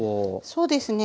そうですね。